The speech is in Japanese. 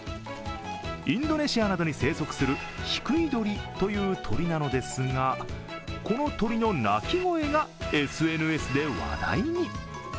インドネシアなどに生息するヒクイドリという鳥なのですがこの鳥の鳴き声がＳＮＳで話題に。